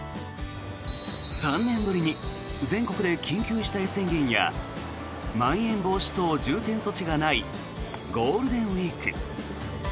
３年ぶりに全国で緊急事態宣言やまん延防止等重点措置がないゴールデンウィーク。